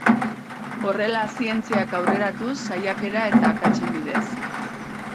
Horrela zientziak aurreratuz saiakera eta akatsen bidez.